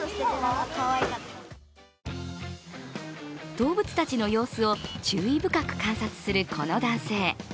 動物たちの様子を注意深く観察する、この男性。